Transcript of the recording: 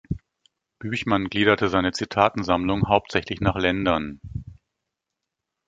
Büchmann gliederte seine Zitatensammlung hauptsächlich nach Ländern.